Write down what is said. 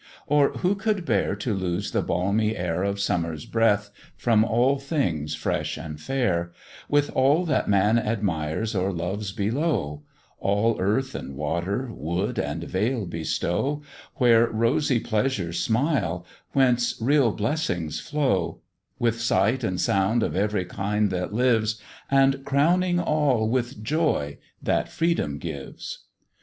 Or who could bear to lose the balmy air Of summer's breath, from all things fresh and fair, With all that man admires or loves below; All earth and water, wood and vale bestow, Where rosy pleasures smile, whence real blessings flow; With sight and sound of every kind that lives, And crowning all with joy that freedom gives?